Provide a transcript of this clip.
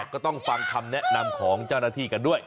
ก็ต้องฟังคำแนะนำของเจ้าหน้าที่กันด้วย